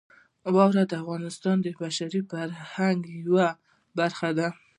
واوره د افغانستان د بشري فرهنګ یوه برخه ده.